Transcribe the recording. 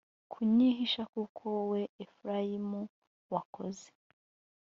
kunyihisha kuko wowe efurayimu wakoze